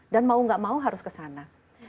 dan mau nggak mau harus ke sana